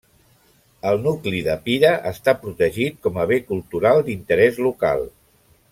El nucli de Pira està protegit com a bé cultural d'interès local.